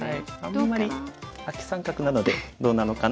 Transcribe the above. あんまりアキ三角なのでどうなのかな。